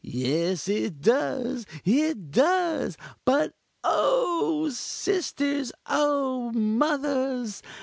Yes, it does, it does! But oh! sisters, oh! mothers!